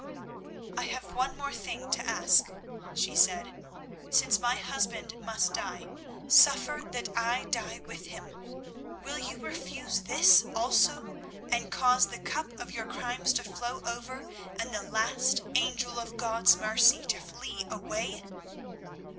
"I have one more thing to ask," she said. "Since my husband must die, suffer that I die with him. Will you refuse this also, and cause the cup of your crimes to flow over, and the last angel of God's mercy to flee away?"